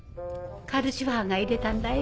カルシファーが入れたんだよ。